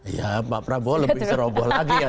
ya pak prabowo lebih ceroboh lagi ya